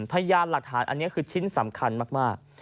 พยานหลักฐานอันนี้คือชิ้นสำคัญมาก